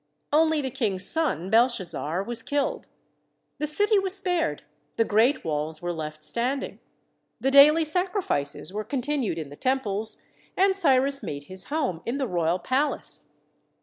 Only the King's son, Belshazzar, was killed. The city was spared ; the great walls were left standing; the daily sacrifices were continued in the temples, and Cyrus made his home in the royal palace.